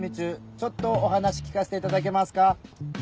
ちょっとお話聞かせていただけますか？